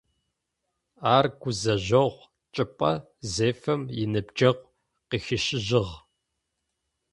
Ар гузэжъогъу чӏыпӏэ зефэм, иныбджэгъу къыхищыжьыгъ.